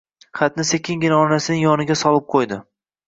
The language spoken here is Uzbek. Xatni sekingina onasining yoniga solib qoʻydi.